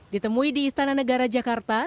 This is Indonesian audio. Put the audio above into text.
ditemui di istana negara jakarta